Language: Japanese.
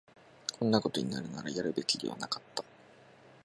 こんなことになるなら、やるべきではなかった